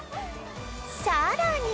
さらに